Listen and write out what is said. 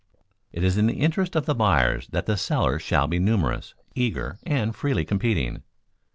It is to the interest of the buyers that the sellers shall be numerous, eager, and freely competing.